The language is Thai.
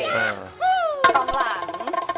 สองหลัง